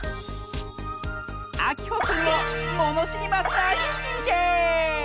あきほくんをものしりマスターににんてい！